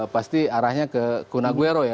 pasti arahnya ke kunaguero ya